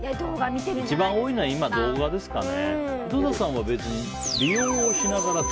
一番多いのは動画ですかね。